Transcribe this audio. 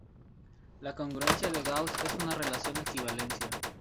La congruencia de Gauss es una relación de equivalencia.